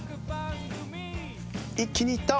一気にいった。